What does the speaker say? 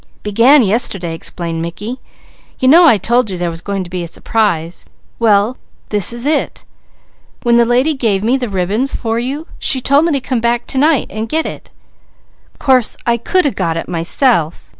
"Began yesterday," explained Mickey. "You know I told you there was going to be a surprise. Well this is it. When the lady gave me the ribbons for you, she told me to come back to night, and get it. Course I could a got it myself.